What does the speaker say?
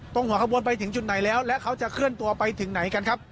หัวขบวนไปถึงจุดไหนแล้วและเขาจะเคลื่อนตัวไปถึงไหนกันครับ